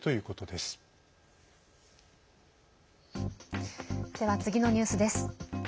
では、次のニュースです。